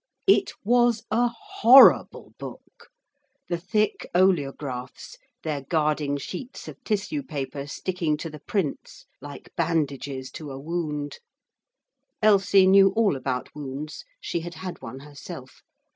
It was a horrible book the thick oleographs, their guarding sheets of tissue paper sticking to the prints like bandages to a wound.... Elsie knew all about wounds: she had had one herself.